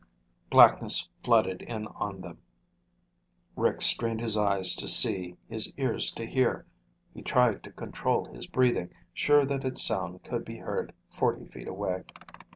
Blackness flooded in on them. Rick strained his eyes to see, his ears to hear. He tried to control his breathing, sure that its sound could be heard forty feet away.